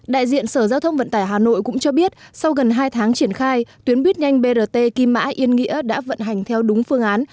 đại diện sở giao thông vận tải hà nội cũng cho biết sau gần hai tháng triển khai tuyến buýt nhanh brt kim mã yên nghĩa đã vận hành theo đúng phương án